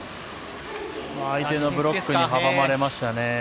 相手のブロックに阻まれましたね。